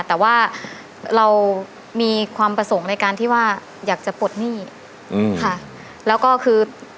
แต่ว่าเรามีความประสงค์ในการที่ว่าอยากจะปลดหนี้ค่ะแล้วก็คือ